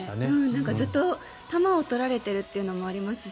ずっと球を取られているっていうのもありますし